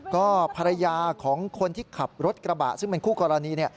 ก็ภรรยาของคนที่ขับรถกระบะซึ่งเป็นคู่กรณีเนี่ย